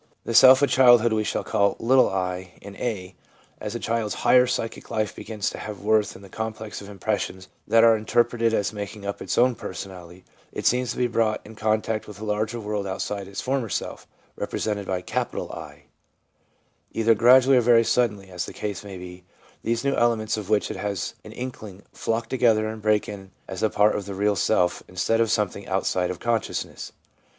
The self of childhood we shall call ' i ' in (a). As the child's higher psychic life begins to have worth in the complex of impressions that are interpreted as making up its own personality, it seems to be brought in contact with a larger world outside its former self, represented by ' 1/ Either gradually or very suddenly, as the case may be, these new elements of which it has an inkling flock together and break in as a part of the real self instead of something outside of consciousness.